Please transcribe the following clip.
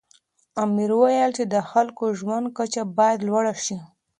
امر وویل چې د خلکو د ژوند کچه باید لوړه سي.